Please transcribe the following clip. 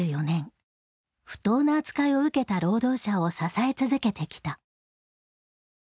不当な扱いを受けた労働者を支え続けてきた。